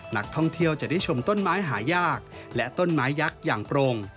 นักท่องเที่ยวจะได้ชมต้นไม้หายากและต้นไม้ยักษ์อย่างโปร่ง